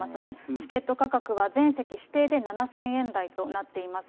チケット価格は全席指定で７０００円台となっています。